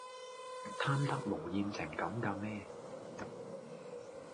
貪得無厭成咁㗎咩